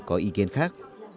có ý kiến khác